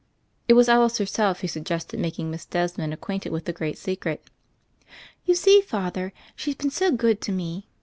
It was Alice herself who suggested making Miss Desmond acquainted with the great secret. "You see. Father, she's been so good to me.